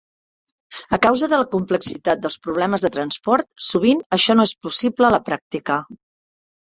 A causa de la complexitat dels problemes de transport, sovint això no és possible a la pràctica.